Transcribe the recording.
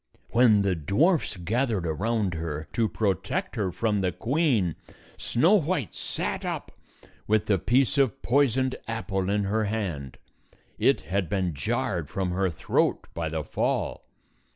When the dwarfs gathered around her to pro tect her from the queen, Snow White sat up with the piece of poisoned apple in her hand ; it had been jarred from her throat by the fall.